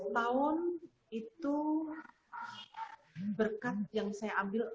lima belas tahun itu berkat yang saya ambil adalah